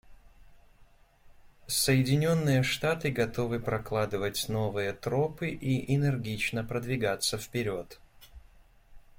Соединенные Штаты готовы прокладывать новые тропы и энергично продвигаться вперед.